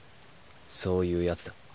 そういうヤツだ。